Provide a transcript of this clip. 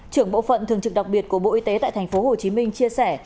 trưởng bộ phận thường trực đặc biệt của bộ y tế tại tp hcm chia sẻ